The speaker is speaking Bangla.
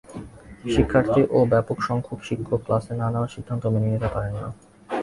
শিক্ষার্থী ও ব্যাপকসংখ্যক শিক্ষক ক্লাস না নেওয়ার সিদ্ধান্ত মেনে নিতে পারেন না।